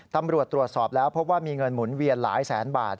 ตำรวจตรวจสอบแล้วพบว่ามีเงินหมุนเวียนหลายแสนบาท